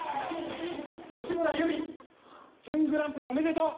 吉村由美、準グランプリおめでとう。